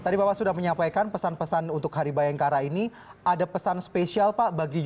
tadi bapak sudah menyampaikan pesan pesan untuk hari bayangkara ini ada pesan spesial pak bagi